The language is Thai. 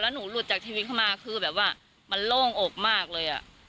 หนูหลุดจากชีวิตเข้ามาคือแบบว่ามันโล่งอกมากเลย